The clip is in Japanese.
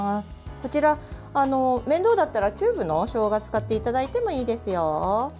こちら、面倒だったらチューブのしょうがを使っていただいてもいいですよ。